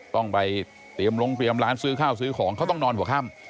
ต้องไปเตรียมลงเตรียมร้านซื้อข้าวซื้อของเขาต้องนอนหัวค่ำ